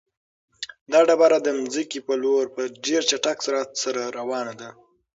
دا ډبره د ځمکې په لور په ډېر چټک سرعت سره روانه ده.